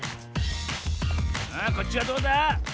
あこっちはどうだ？